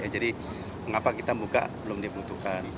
jadi mengapa kita buka belum dibutuhkan